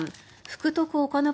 福徳岡ノ